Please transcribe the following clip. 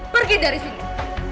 pergi dari sini